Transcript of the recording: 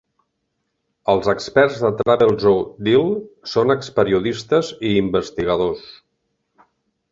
Els experts de Travelzoo Deal són experiodistes i investigadors.